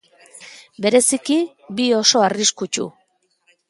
Bereziki, bi oso arriskutsu.